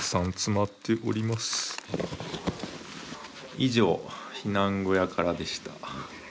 以上避難小屋からでした。